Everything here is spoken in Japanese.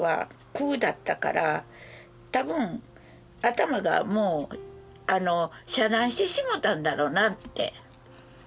たぶん頭がもう遮断してしもうたんだろうなって。